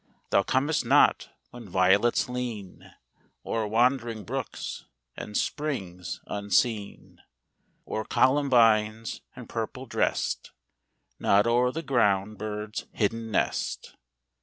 Thou comest not when violets lean O'er wandering brooks and springs unseen, Or columbines, in purple dressed, Nod o'er the ground bird's hidden nest.